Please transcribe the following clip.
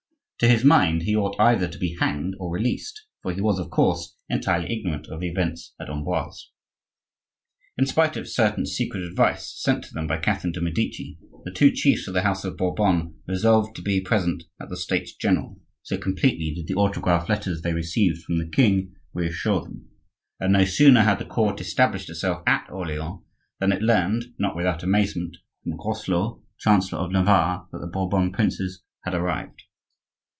To his mind, he ought either to be hanged or released; for he was, of course, entirely ignorant of the events at Amboise. In spite of certain secret advice sent to them by Catherine de' Medici, the two chiefs of the house of Bourbon resolved to be present at the States general, so completely did the autograph letters they received from the king reassure them; and no sooner had the court established itself at Orleans than it learned, not without amazement, from Groslot, chancellor of Navarre, that the Bourbon princes had arrived.